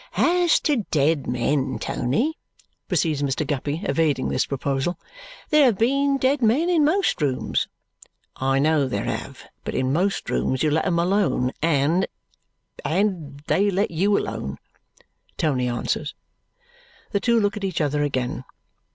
"As to dead men, Tony," proceeds Mr. Guppy, evading this proposal, "there have been dead men in most rooms." "I know there have, but in most rooms you let them alone, and and they let you alone," Tony answers. The two look at each other again.